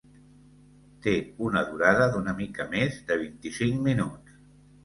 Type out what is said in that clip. Té una durada d'una mica més de vint-i-cinc minuts.